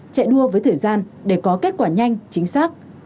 chạy đua với thời gian để có kết quả nhanh chính xác